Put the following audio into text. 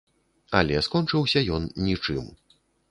Але скончыўся ён нічым.